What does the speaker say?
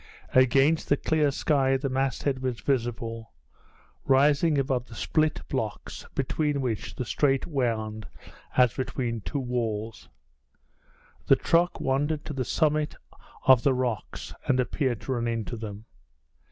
Against the clear sky the masthead was visible, rising above the split blocks between which the strait wound as between two walls. The truck wandered to the summit of the rocks, and appeared to run into them.